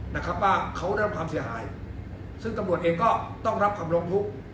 นะครับว่าเขาได้รับความเสียหายซึ่งตำรวจเองก็ต้องรับคำร้องทุกข์